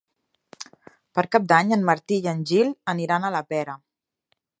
Per Cap d'Any en Martí i en Gil aniran a la Pera.